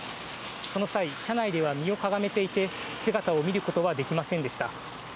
その際、車内では身をかがめていて、姿を見ることはできませんでした。